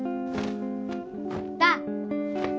「だ」